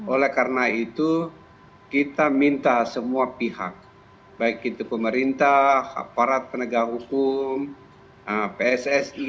oleh karena itu kita minta semua pihak baik itu pemerintah aparat penegak hukum pssi